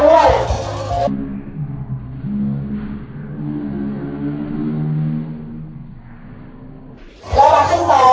ให้ดูขาดด้วย